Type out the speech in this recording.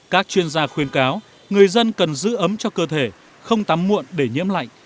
các chuyên gia khuyên cáo người dân cần giữ ấm cho cơ thể không tắm muộn để nhiễm lạnh